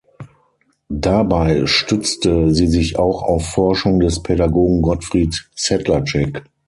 Dabei stützte sie sich auch auf Forschung des Pädagogen Gottfried Sedlaczek.